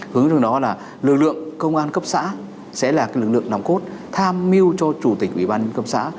hướng dẫn trong đó là lực lượng công an cấp xã sẽ là lực lượng nằm cốt tham mưu cho chủ tịch ủy ban nhân dân cấp xã